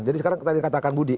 jadi sekarang tadi katakan budi